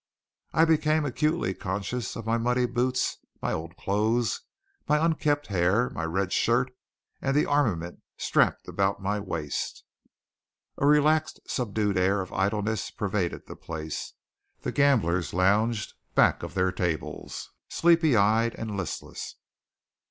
I became acutely conscious of my muddy boots, my old clothes, my unkempt hair, my red shirt and the armament strapped about my waist. A relaxed, subdued air of idleness pervaded the place. The gamblers lounged back of their tables, sleepy eyed and listless.